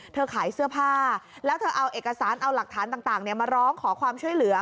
ขายเสื้อผ้าแล้วเธอเอาเอกสารเอาหลักฐานต่างมาร้องขอความช่วยเหลือ